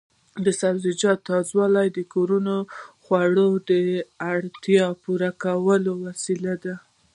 د سبزیجاتو تازه والي د کورنیو خوړو د اړتیا پوره کولو وسیله ده.